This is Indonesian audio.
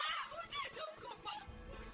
enggak pak enggak usah bohong